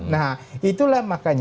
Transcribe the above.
nah itulah makanya